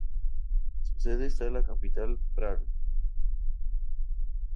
Su sede está en la capital, Praga.